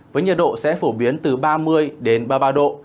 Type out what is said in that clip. với nhiệt độ sẽ phổ biến từ ba mươi đến ba mươi ba độ